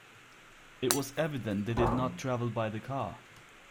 It was evident they did not travel by the car.